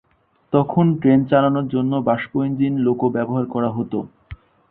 তখন ট্রেন চালানোর জন্য বাষ্পচালিত লোকো ব্যবহার করা হতো।